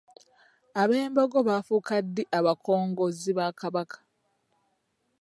Abembogo baafuuka ddi abakongozzi ba Kabaka?